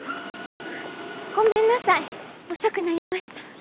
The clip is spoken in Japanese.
ごめんなさい遅くなりました。